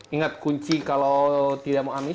ingat kunci kalau tidak mau amis